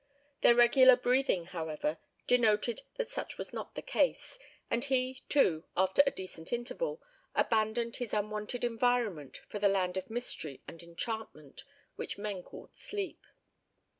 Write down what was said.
Their regular breathing, however, denoted that such was not the case, and he, too, after a decent interval, abandoned his unwonted environment for the land of mystery and enchantment which men call sleep.